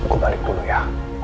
gue balik dulu ya